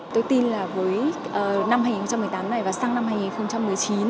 tôi tin là với năm hai nghìn một mươi tám này và sang năm hai nghìn một mươi chín